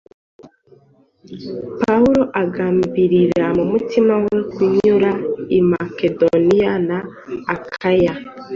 Pawulo agambirira mu mutima we kunyura i Makedoniya na Akaya,